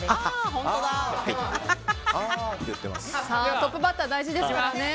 トップバッターは大事ですからね。